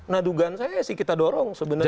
nah dugaan saya sih kita dorong sebenarnya